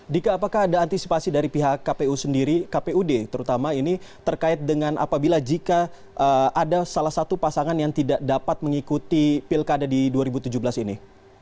dika apakah ada antisipasi dari pihak kpu sendiri kpud terutama ini terkait dengan apabila jika ada salah satu pasangan yang tidak dapat mengikuti pilkada di dua ribu tujuh belas ini